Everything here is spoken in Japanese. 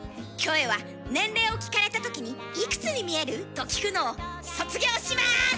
キョエは年齢を聞かれたときに「いくつに見える？」と聞くのを卒業します！